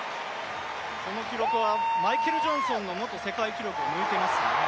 この記録はマイケル・ジョンソンの元世界記録を抜いてます